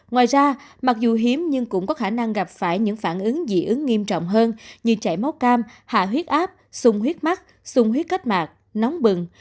ngoài ra mặc dù hiếm nhưng cũng có khả năng gặp phải những phản ứng dị ứng nghiêm trọng hơn như chảy máu cam hạ huyết áp sung huyết mắt sung huyết cách mạc nóng bừng